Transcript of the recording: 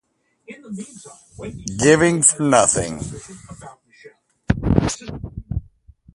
Giving for nothing